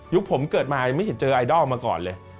ผมเกิดมายังไม่เห็นเจอไอดอลมาก่อนเลย